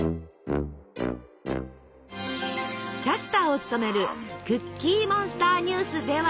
キャスターを務める「クッキーモンスターニュース」では。